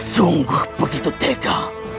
sungguh begitu tega